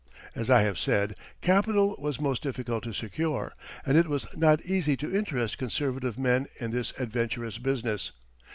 As I have said, capital was most difficult to secure, and it was not easy to interest conservative men in this adventurous business.